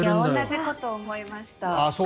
同じこと思いました。